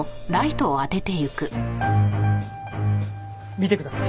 見てください。